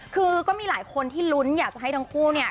คือก็มีหลายคนที่ลุ้นอยากจะให้ทั้งคู่เนี่ย